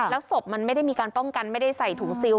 แล้วศพมันไม่ได้มีการป้องกันไม่ได้ใส่ถุงซิล